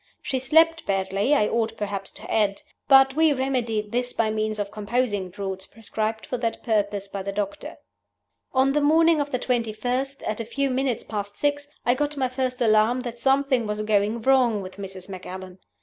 She slept badly, I ought perhaps to add. But we remedied this by means of composing draughts prescribed for that purpose by the doctor. "On the morning of the 21st, at a few minutes past six, I got my first alarm that something was going wrong with Mrs. Macallan.